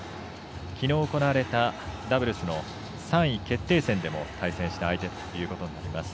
きのう行われたダブルスの３位決定戦でも対戦した相手ということになります。